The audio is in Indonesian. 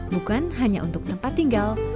bukan hanya untuk tempat tinggal